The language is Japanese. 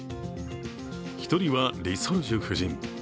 １人はリ・ソルジュ夫人